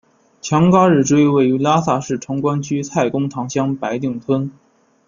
强嘎日追位于拉萨市城关区蔡公堂乡白定村。